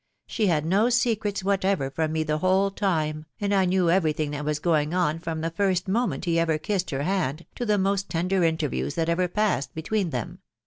She had no secrets whatever from me the whole time, and I knew every thing that was going on from the first moment he ever kissed her hand to the most tender interviews that ever passed between them.